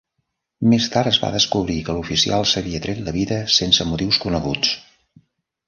Més tard es va descobrir que l'oficial s'havia tret la vida sense motius coneguts.